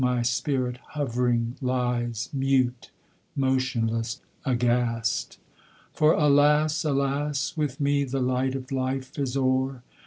my spirit hovering lies Mute, motionless, aghast! For, alas! alas! with me The light of Life is o'er!